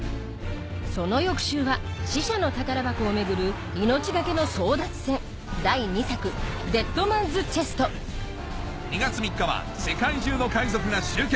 その翌週は死者の宝箱を巡る命懸けの争奪戦第２作『デッドマンズ・チェスト』２月３日は世界中の海賊が集結